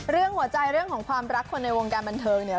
หัวใจเรื่องของความรักคนในวงการบันเทิงเนี่ย